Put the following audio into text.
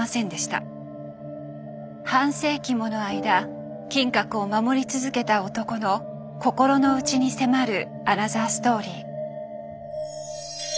半世紀もの間金閣を守り続けた男の心の内に迫るアナザーストーリー。